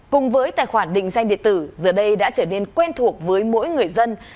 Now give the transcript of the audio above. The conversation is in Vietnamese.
cùng với tài khoản định danh điện tử giờ đây đã trở nên quen thuộc với mỗi người dân